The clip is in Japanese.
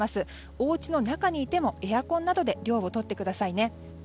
おうちの中にいてもエアコンなどで涼をとってくださいね。